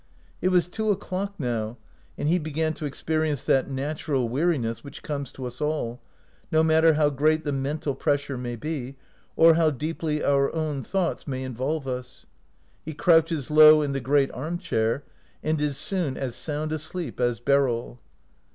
It was two o'clock now, and he began to experience that natural weariness which comes to us all, no mat ter how great the mental pressure may be, or how deeply our own thoughts may in 167 OUT OF BOHEMIA volve us. He crouches low in the great arm chair, and is soon as sound asleep as Beryl.